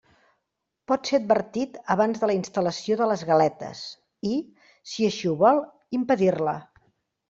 Pot ser advertit abans de la instal·lació de les galetes i, si així ho vol, impedir-la.